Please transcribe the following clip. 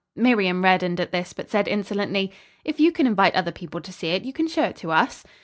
Miriam reddened at this, but said insolently, "If you can invite other people to see it, you can show it to us."